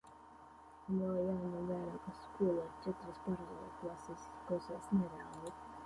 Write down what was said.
Un vēl jāņem vērā, ka skolā ir četras paralēlklases. Neizklausās reāli.